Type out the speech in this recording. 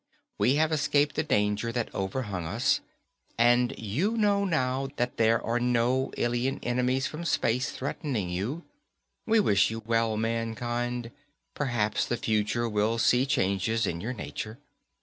We have escaped the danger that overhung us, and you know now that we are no alien enemies from space threatening you. We wish you well, mankind; perhaps the future will see changes in your nature.